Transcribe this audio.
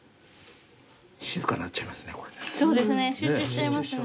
静かになっちゃいますね。